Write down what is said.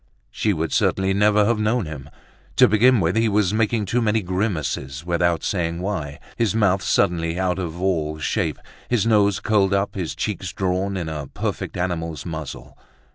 She would certainly never have known him. To begin with, he was making too many grimaces, without saying why, his mouth suddenly out of all shape, his nose curled up, his cheeks drawn in, a perfect animal's muzzle.